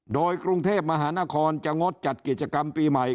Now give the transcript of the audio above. โดยกรุงเทพมหานครจะงดจัดกิจกรรมปีใหม่